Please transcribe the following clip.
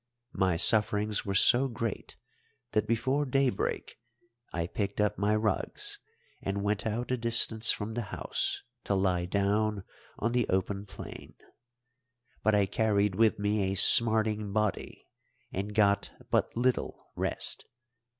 My sufferings were so great that before daybreak I picked up my rugs and went out a distance from the house to lie down on the open plain, but I carried with me a smarting body and got but little rest.